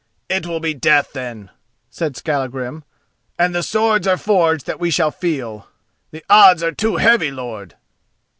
"It will be death, then," said Skallagrim, "and the swords are forged that we shall feel. The odds are too heavy, lord."